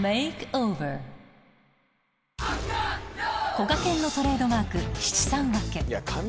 こがけんのトレードマーク七三分け